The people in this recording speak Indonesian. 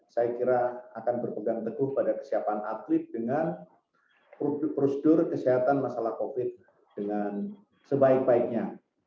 saya kira akan berpegang teguh pada kesiapan atlet dengan prosedur kesehatan masalah covid dengan sebaik baiknya